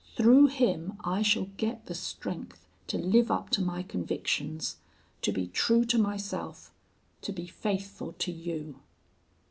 Through him I shall get the strength to live up to my convictions, to be true to myself, to be faithful to you.